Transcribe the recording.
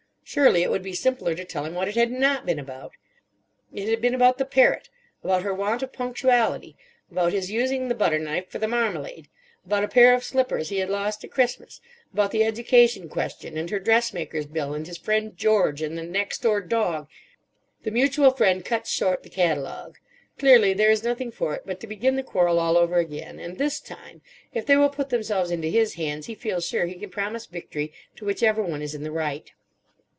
Surely it would be simpler to tell him what it had not been about. It had been about the parrot, about her want of punctuality, about his using the butter knife for the marmalade, about a pair of slippers he had lost at Christmas, about the education question, and her dressmaker's bill, and his friend George, and the next door dog— The mutual friend cuts short the catalogue. Clearly there is nothing for it but to begin the quarrel all over again; and this time, if they will put themselves into his hands, he feels sure he can promise victory to whichever one is in the right.